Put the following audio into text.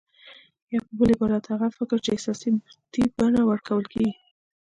يا په بل عبارت هغه فکر چې احساساتي بڼه ورکول کېږي.